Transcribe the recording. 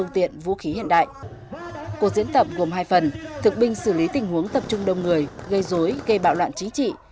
tình huống tập trung đông người gây dối gây bạo loạn chính trị